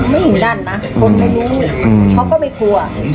นี่อย่างนั้นนะคนไม่รู้เขาก็ไม่กลัว